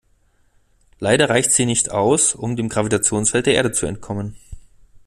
Leider reicht sie nicht aus, um dem Gravitationsfeld der Erde zu entkommen.